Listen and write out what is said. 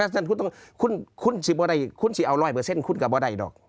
อ่าเร็วสุดคุณซิเอา๑๐๐คุณก็บ่ได้หรอก